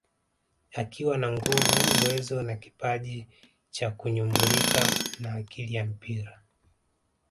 Akiwa na nguvu uwezo na kipaji cha kunyumbulika na akili ya mpira